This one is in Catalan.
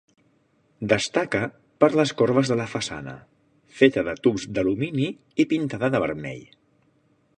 Destaca per les corbes de la façana, feta de tubs d'alumini i pintada de vermell.